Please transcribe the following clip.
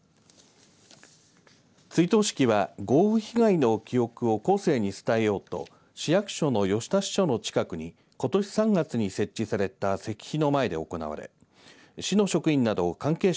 追悼式は豪雨被害の記憶を後世に伝えようと市役所の吉田支所の近くにことし３月に設置された石碑の前で行われ市の職員など関係者